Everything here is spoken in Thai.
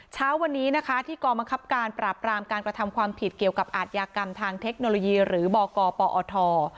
เช้าวันนี้นะคะที่กองบังคับการปราบรามการกระทำความผิดเกี่ยวกับอาทยากรรมทางเทคโนโลยีหรือบกปอท